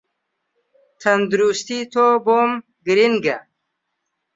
تەندروستی تۆ بۆم گرینگە